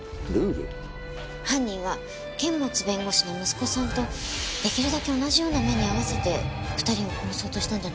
犯人は堅物弁護士の息子さんとできるだけ同じような目に遭わせて２人を殺そうとしたんじゃないでしょうか？